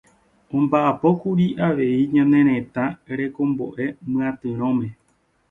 omba'apókuri avei ñane retã rekombo'e myatyrõme